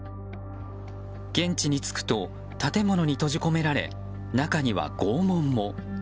現地に着くと建物に閉じ込められ中には拷問も。